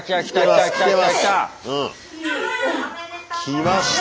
きました！